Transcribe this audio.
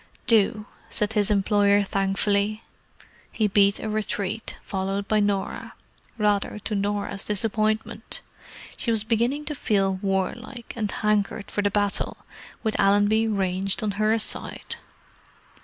"Do," said his employer thankfully. He beat a retreat, followed by Norah—rather to Norah's disappointment. She was beginning to feel warlike, and hankered for the battle, with Allenby ranged on her side.